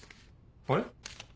あれ？